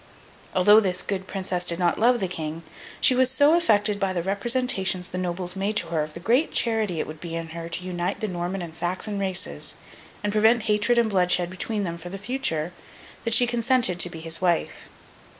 Although this good Princess did not love the King, she was so affected by the representations the nobles made to her of the great charity it would be in her to unite the Norman and Saxon races, and prevent hatred and bloodshed between them for the future, that she consented to become his wife.